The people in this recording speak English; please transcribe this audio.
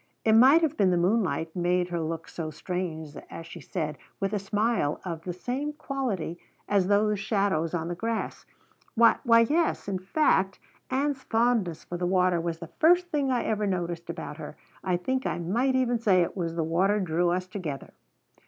It might have been the moonlight made her look so strange as she said, with a smile of the same quality as those shadows on the grass: "Why yes; in fact, Ann's fondness for the water was the first thing I ever noticed about her. I think I might even say it was the water drew us together."